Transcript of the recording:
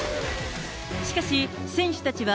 しかし、選手たちは、